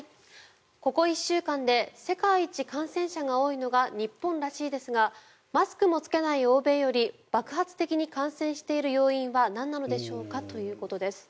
ここ１週間で世界一感染者が多いのが日本らしいですがマスクも着けない欧米より爆発的に感染している要因はなんなのでしょうかということです。